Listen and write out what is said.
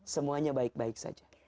semuanya baik baik saja